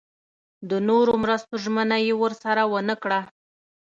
د نورو مرستو ژمنه یې ورسره ونه کړه.